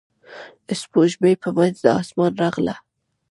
سپوږمۍ په منځ د اسمان راغله.